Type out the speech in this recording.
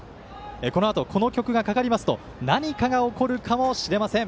このあと、この曲がかかりますと何かが起こるかもしれません。